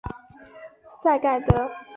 赛盖德。